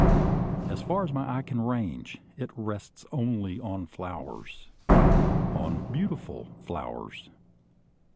As far as my eye can range, it rests only on flowers, on beautiful flowers!